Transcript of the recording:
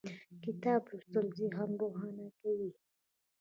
کتاب لوستل ذهن روښانه کوي